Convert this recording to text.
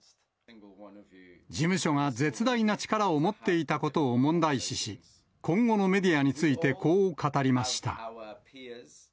事務所が絶大な力を持っていたことを問題視し、今後のメディアについてこう語りました。